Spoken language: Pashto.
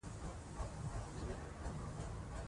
ژوند د انسان د فکر او عمل توازن غواړي.